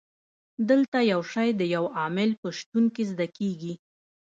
دلته یو شی د یو عامل په شتون کې زده کیږي.